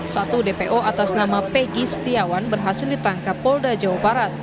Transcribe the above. satu dpo atas nama pegi setiawan berhasil ditangkap polda jawa barat